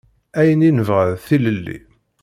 Ayen i nebɣa d tilelli.